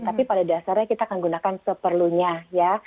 tapi pada dasarnya kita akan gunakan seperlunya ya